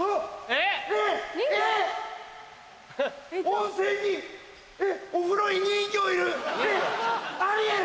温泉にお風呂に人魚いる！